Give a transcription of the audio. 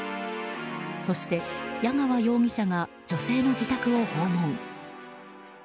そして矢川容疑者が女性の自宅を訪問。